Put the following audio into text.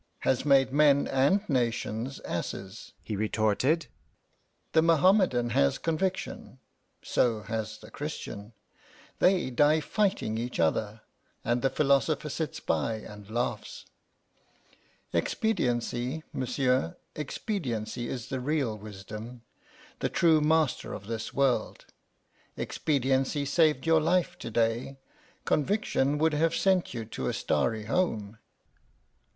"Has made men and nations asses," he retorted. "The Mohammmedan has conviction, so has the Christian: they die fighting each other, and the philosopher sits by and laughs. Expediency, monsieur, expediency is the real wisdom, the true master of this world. Expediency saved your life to day; conviction would have sent you to a starry home."